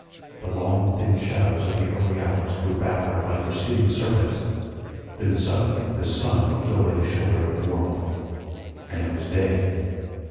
The long, thin shadows of the early hours drew backward like receding serpents, then suddenly the sun looked over the shoulder of the world, and it was day.